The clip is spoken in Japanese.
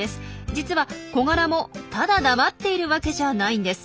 実はコガラもただ黙っているわけじゃないんです。